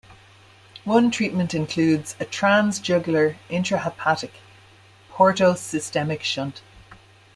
One treatment includes a transjugular intrahepatic portosystemic shunt.